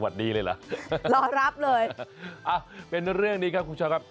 ดีเลยเหรอรอรับเลยอ่ะเป็นเรื่องนี้ครับคุณผู้ชมครับ